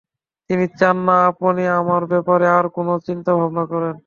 তিনি চান না, আপনি আমার ব্যাপারে আর কোনো চিন্তাভাবনা করেন।